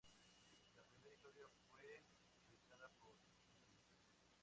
La primera historieta fue editada por St.